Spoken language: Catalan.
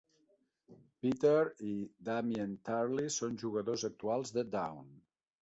Peter i Damien Turley són jugadors actuals de Down.